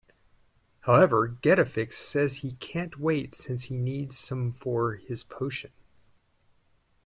However Getafix says he can't wait since he needs some for his potion.